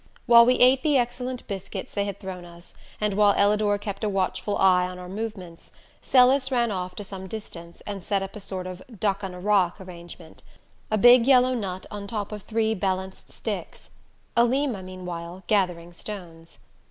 While we ate the excellent biscuits they had thrown us, and while Ellador kept a watchful eye on our movements, Celis ran off to some distance, and set up a sort of "duck on a rock" arrangement, a big yellow nut on top of three balanced sticks; Alima, meanwhile, gathering stones.